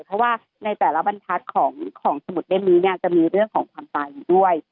เพราะว่าในแต่ละบรรทัดของสมุดเล่นนี้จะมีเรื่องของความตายด้วย